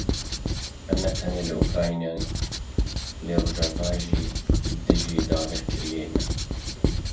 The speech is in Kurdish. Em ne tenê li Ukraynayê li Rojava jî dijî dagirkeriyê ne.